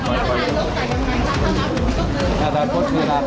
โดยได้ทำงานเต็มลิใช่หรือมั้ยครับ